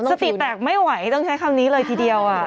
สติแตกไม่ไหวต้องใช้คำนี้เลยทีเดียว